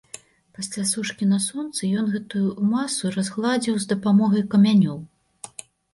Пасля сушкі на сонцы, ён гэтую масу разгладзіў з дапамогай камянёў.